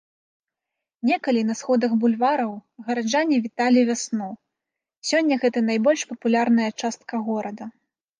Некалі на сходах бульвараў гараджане віталі вясну, сёння гэта найбольш папулярная частка горада.